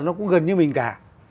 nó cũng gần như mình cả